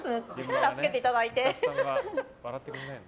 助けていただいて。